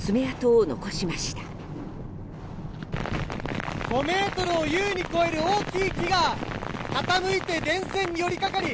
５ｍを優に超える大きい木が傾いて電線に寄りかかり